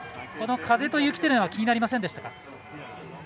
この風と雪というのは気になりませんでしたか。